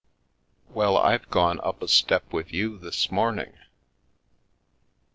Well, I've gone up a step with you this morning.